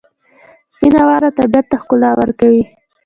سپینه واوره طبیعت ته ښکلا ورکوي.